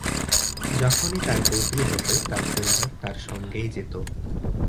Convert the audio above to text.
যখনই তাঁর বদলি হত, তাঁর পরিবার তাঁর সঙ্গেই যেত।